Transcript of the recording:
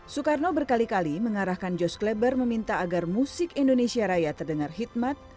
soekarno berkali kali mengarahkan jos kleber meminta agar musik indonesia raya terdengar hikmat